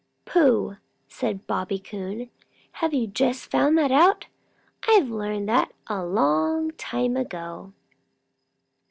"Pooh!" said Bobby Coon. "Have you just found that out? I learned that a long time ago."